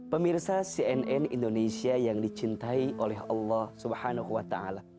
pemirsa cnn indonesia yang dicintai oleh allah swt